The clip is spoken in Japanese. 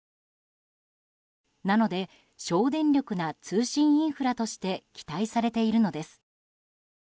なので省電力な通信インフラとして期待されているのです。